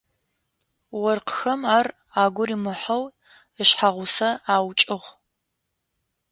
Оркъхэм ар агу римыхьэу ишъхьагъусэ аукӏыгъ.